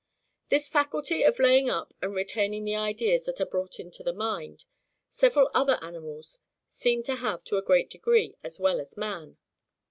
This faculty of laying up and retaining the ideas that are brought into the mind, several other animals seem to have to a great degree, as well as man.